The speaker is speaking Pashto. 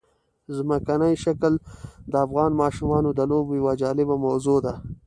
ځمکنی شکل د افغان ماشومانو د لوبو یوه جالبه موضوع ده.